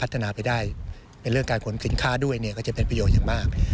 ซึ่งการขนขินค่าด้วยก็จะเป็นประโยชน์อย่างมาก